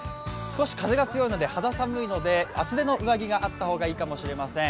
少し風が強く肌寒いので、厚めの上着があった方がいいかもしれません。